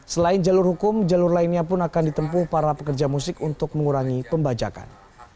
selain jalur hukum jalur lainnya pun akan ditempuh para pekerja musik untuk mengurangi pembajakan